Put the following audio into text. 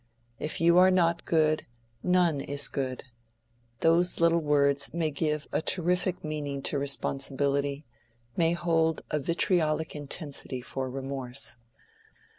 "If you are not good, none is good"—those little words may give a terrific meaning to responsibility, may hold a vitriolic intensity for remorse.